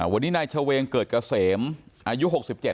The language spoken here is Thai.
วันนี้นายเฉวงเกิดเกษมอายุ๖๗